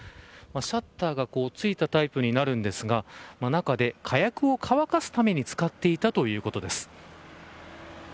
シャッターが付いたタイプになるんですが中で火薬を乾かすために使っていたということです。